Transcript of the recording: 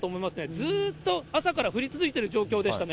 ずっと朝から降り続いている状況でしたね。